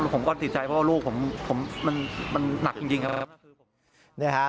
ผมก็ติดใจเพราะว่าลูกผมมันหนักจริงครับ